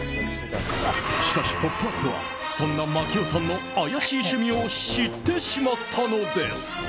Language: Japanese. しかし「ポップＵＰ！」はそんな槙尾さんの怪しい趣味を知ってしまったのです。